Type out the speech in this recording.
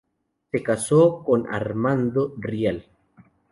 Se casó con Armando Rial.